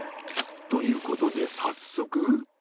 ということで早速。